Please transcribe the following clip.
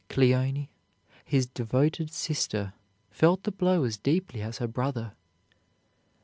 Cleone, his devoted sister, felt the blow as deeply as her brother.